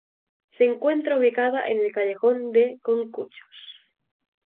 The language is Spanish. Se encuentra ubicada en el Callejón de Conchucos.